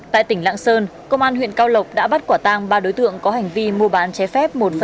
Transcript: tại tỉnh lạng sơn công an huyện cao lộc đã bắt quả tang ba đối tượng có hành vi mua bán trái phép